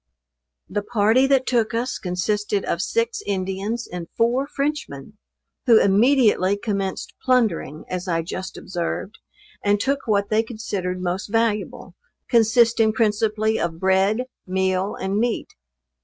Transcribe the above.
The party that took us consisted of six Indians and four Frenchmen, who immediately commenced plundering, as I just observed, and took what they considered most valuable; consisting principally of bread, meal and meat.